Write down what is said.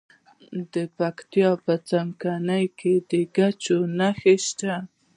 د پکتیا په څمکنیو کې د ګچ نښې شته.